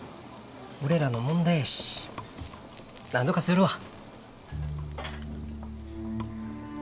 俺らの問題やしなんとかするわ。